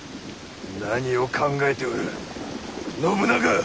何を考えておる信長！